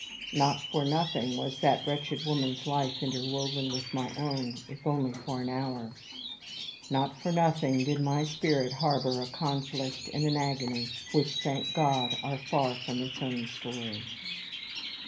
Not for nothing was that wretched woman's life interwoven with my own, if only for an hour; not for nothing did my spirit harbor a conflict and an agony, which, thank God, are far from its own story.